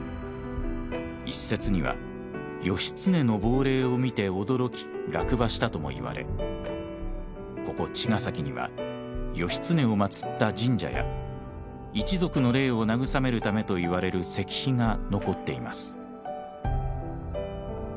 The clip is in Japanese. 一説には義経の亡霊を見て驚き落馬したともいわれここ茅ヶ崎には義経をまつった神社や一族の霊を慰めるためといわれる石碑が残っています。